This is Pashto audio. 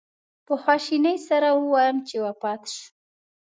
په خواشینۍ سره ووایم چې وفات شو.